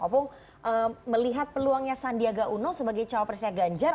opung melihat peluangnya sandiaga uno sebagai cowok presiden ganjar